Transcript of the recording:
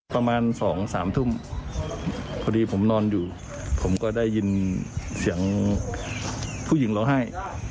ประมาณ๒๓ทุ่มพอดีผมนอนอยู่ผมก็ได้ยินเสียงผู้หญิงร้องไห้